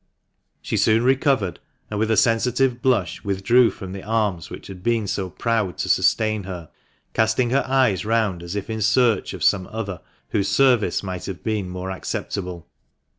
She soon recovered, and with a sensitive blush withdrew from the arms which had been so proud to sustain her, casting her eyes round as if in search of some other whose service might have been more acceptable.